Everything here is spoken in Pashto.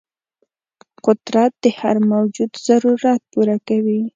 قدرت د هر موجود ضرورت پوره کوي.